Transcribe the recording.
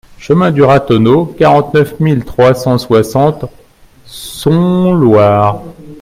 Chemin du Ratonneau, quarante-neuf mille trois cent soixante Somloire